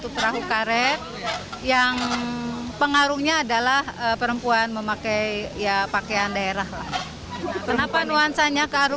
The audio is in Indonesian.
dua puluh satu perahu karet yang pengaruhnya adalah perempuan memakai ya pakaian daerah kenapa nuansanya arun